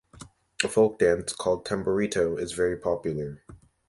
A folk dance, called "tamborito" is very popular.